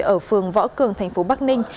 ở phường võ cường thành phố bắc ninh